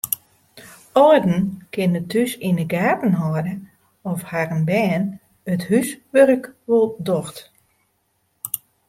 Alden kinne thús yn de gaten hâlde oft harren bern it húswurk wol docht.